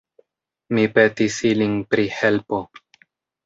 Mi petis ilin pri helpo.